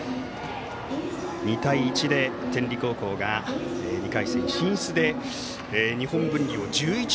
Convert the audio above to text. ２対１で天理高校が２回戦進出で日本文理を１１対０。